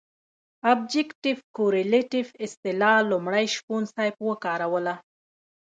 ابجګټف کورلیټف اصطلاح لومړی شپون صاحب وکاروله.